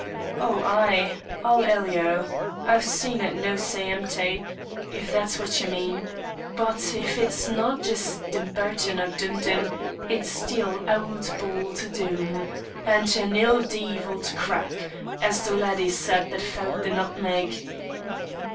"Oh, ay! I'll alio' I've seen it no' sae empty, if that's what ye mean; but if it's no' jist Dumbarton or Dunedin, it's still auld bauld Doom, and an ill deevil to crack, as the laddie said that found the nutmeg."